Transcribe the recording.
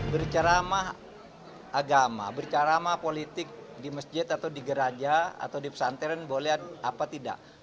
berceramah agama berceramah politik di masjid atau di geraja atau di pesantren boleh apa tidak